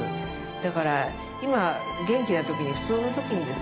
だから今元気な時に普通の時にですね